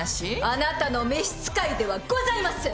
あなたの召使いではございません！